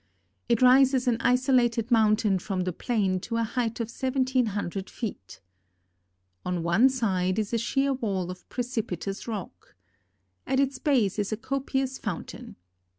It rises an isolated mountain from the plain to a height of seventeen hundred feet. On one side is a sheer wall of precipitous rock. At its base is a copious fountain.